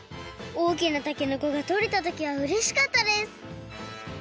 大きなたけのこがとれたときはうれしかったです。